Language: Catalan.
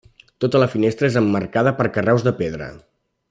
Tota la finestra és emmarcada per carreus de pedra.